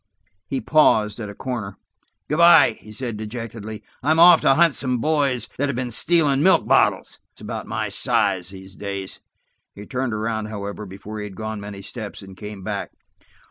He paused at a corner. "Good by," he said dejectedly. "I'm off to hunt some boys that have been stealing milk bottles. That's about my size, these days." He turned around, however, before he had gone many steps and came back.